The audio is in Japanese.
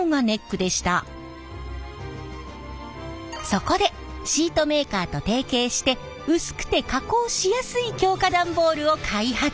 そこでシートメーカーと提携して薄くて加工しやすい強化段ボールを開発。